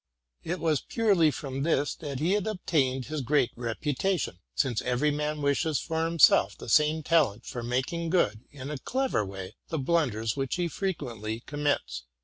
It was purely from this that he had obtained his great reputation ; since every man wishes for himself that same talent of making good, in a clever way, the blunders which he frequently com mits.